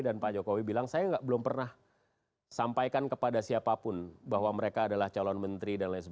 dan pak jokowi bilang saya belum pernah sampaikan kepada siapapun bahwa mereka adalah calon menteri